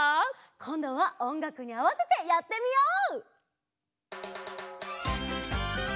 こんどはおんがくにあわせてやってみよう！